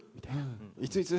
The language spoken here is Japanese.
いついつ？